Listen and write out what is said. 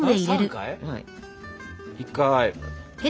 １回。